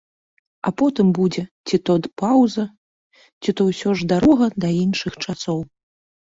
А потым будзе ці то паўза, ці то ўсё ж дарога да іншых часоў.